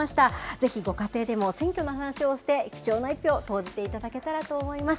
ぜひご家庭でも選挙の話をして、貴重な１票、投じていただけたらと思います。